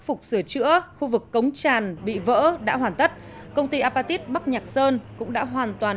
phục sửa chữa khu vực cống tràn bị vỡ đã hoàn tất công ty apatit bắc nhạc sơn cũng đã hoàn toàn